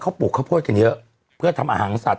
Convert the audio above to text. เขาปลูกข้าวโพดกันเยอะเพื่อทำอาหารสัตว